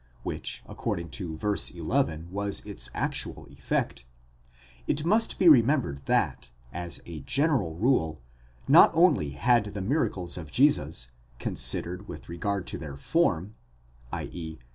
which according to v. 11 was its actual effect; it must be remembered that, as a general rule, not only had the miracles of Jesus, con sidered with regard to their form, i.e.